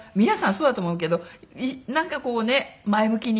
そうだと思うけどなんかこうねっ「前向きに」